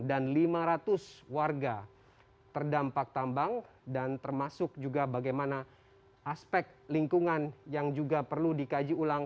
dan lima ratus warga terdampak tambang dan termasuk juga bagaimana aspek lingkungan yang juga perlu dikaji ulang